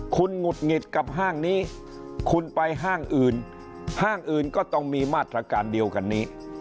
คุณหงุดหงิดกับห้างนี้คุณไปห้างอื่นห้างอื่นก็ต้องมีมาตรการเดียวกันนี้